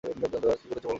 আজ কী করেছ বলো দেখি।